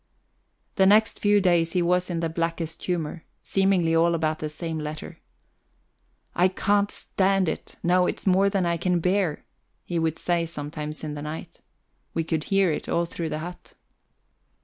The next few days he was in the blackest humor, seemingly all about the same letter. "I can't stand it; no, it's more than I can bear," he would say sometimes in the night; we could hear it all through the hut.